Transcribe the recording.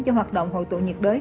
cho hoạt động hội tụ nhiệt đới